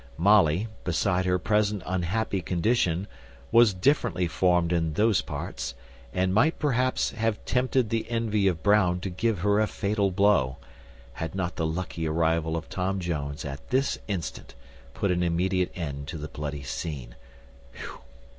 Molly, beside her present unhappy condition, was differently formed in those parts, and might, perhaps, have tempted the envy of Brown to give her a fatal blow, had not the lucky arrival of Tom Jones at this instant put an immediate end to the bloody scene.